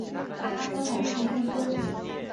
张百熙之兄。